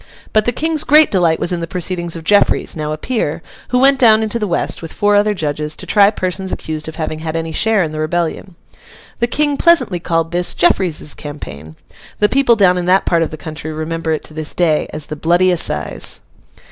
But the King's great delight was in the proceedings of Jeffreys, now a peer, who went down into the west, with four other judges, to try persons accused of having had any share in the rebellion. The King pleasantly called this 'Jeffreys's campaign.' The people down in that part of the country remember it to this day as The Bloody Assize.